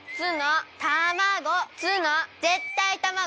ぜったいたまご！